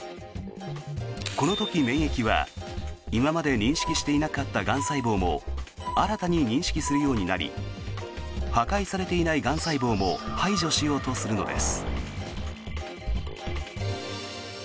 この時、免疫は今まで認識していなかったがん細胞も新たに認識するようになり破壊されていないがん細胞も排除しようとするのです。